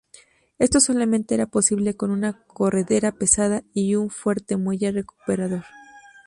Esto solamente era posible con una corredera pesada y un fuerte muelle recuperador.